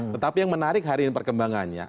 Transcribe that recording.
tetapi yang menarik hari ini perkembangannya